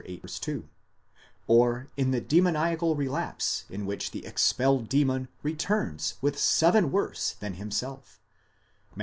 2), or in the demoniacal relapse in which the expelled demon returns with seven worse than himself (Matt.